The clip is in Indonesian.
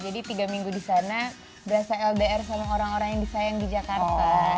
jadi tiga minggu di sana berasa ldr sama orang orang yang disayang di jakarta